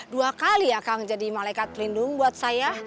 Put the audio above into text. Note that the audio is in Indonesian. dua kali ya kang jadi malaikat pelindung buat saya